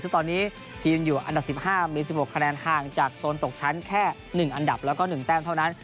ซึ่งตอนนี้ทีมอยู่อันดับ๑๕มี๑๖คะแนนห่างจากโซนตกชั้นแค่๑อันดับแล้วก็๑แต้มเท่านั้น